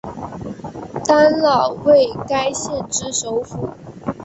丹老为该县之首府。